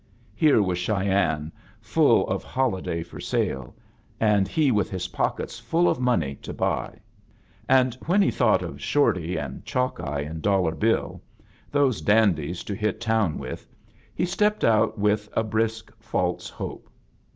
Here was Cheymne, full of holiday for sale, and he with his pockets full of money to boy; and when he thought of Shorty and Qialk eye and Dollar Bill, those dandies to hit town with, he stepped out v^h a brisk, false hope.